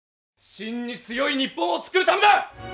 真に強い日本を作るためだ。